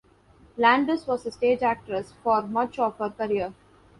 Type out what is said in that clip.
Landis was a stage actress for much of her career.